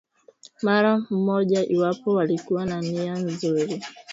mara mmoja iwapo walikuwa na nia nzuri